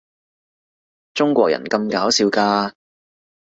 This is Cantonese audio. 中國人咁搞笑㗎